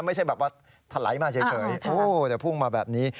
ไม่ใช่แบบว่าถลายมาเฉยแต่พุ่งมาแบบนี้